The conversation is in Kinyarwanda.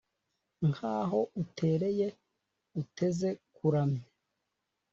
nk’aho utereye uteze kuramya